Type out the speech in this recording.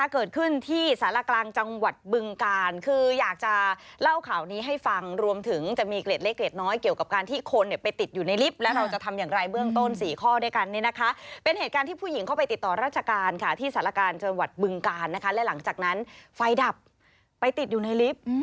เกิดขึ้นที่สารกลางจังหวัดบึงกาลคืออยากจะเล่าข่าวนี้ให้ฟังรวมถึงจะมีเกล็ดเล็กเกร็ดน้อยเกี่ยวกับการที่คนเนี่ยไปติดอยู่ในลิฟต์แล้วเราจะทำอย่างไรเบื้องต้นสี่ข้อด้วยกันเนี่ยนะคะเป็นเหตุการณ์ที่ผู้หญิงเข้าไปติดต่อราชการค่ะที่สารการจังหวัดบึงการนะคะและหลังจากนั้นไฟดับไปติดอยู่ในลิฟต์